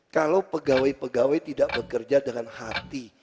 kalau pegawai pegawai tidak bekerja dengan hati